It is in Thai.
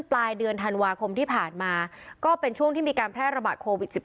ปลายเดือนธันวาคมที่ผ่านมาก็เป็นช่วงที่มีการแพร่ระบาดโควิด๑๙